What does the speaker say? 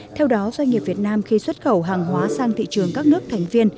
theo đó doanh nghiệp việt nam khi xuất khẩu hàng hóa sang thị trường các nước thành viên